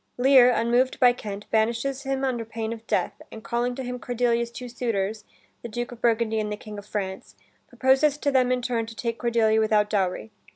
Lear, unmoved by Kent, banishes him under pain of death, and calling to him Cordelia's two suitors, the Duke of Burgundy and the King of France, proposes to them in turn to take Cordelia without dowry.